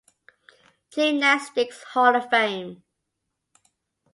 Gymnastics Hall of Fame.